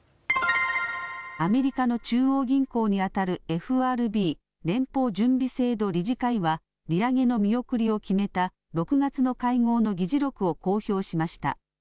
アメリカの中央銀行にあたるＦＲＢ・連邦準備制度理事会は利上げの見送りを決めた６月の会合の議事録を公表しました。